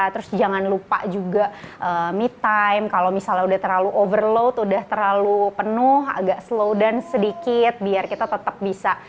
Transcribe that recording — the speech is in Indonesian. terus jangan lupa juga me time kalau misalnya udah terlalu overload udah terlalu penuh agak slow dan sedikit biar kita tetap bisa